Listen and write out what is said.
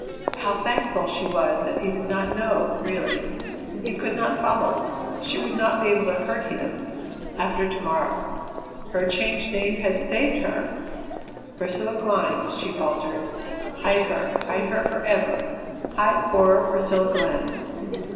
How thankful she was that he did not know, really. He could not follow; she would not be able to hurt him after to morrow. Her changed name had saved her! "Priscilla Glynn," she faltered, "hide her, hide her forever, hide poor Priscilla Glenn."